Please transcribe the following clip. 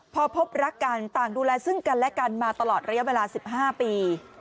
พอพบรักกันต่างดูแลซึ่งกันและกันมาตลอดระยะเวลา๑๕ปี